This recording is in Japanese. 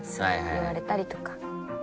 言われたりとか。